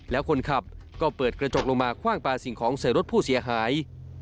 แล้วคนขับก็เปิดกระจกลงมาคว่างปลาสิ่งของใส่รถผู้เสียหาย